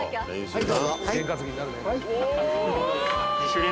はい。